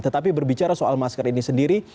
tetapi berbicara soal masker ini sendiri